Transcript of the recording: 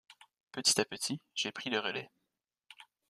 Petit à petit, j’ai pris le relai.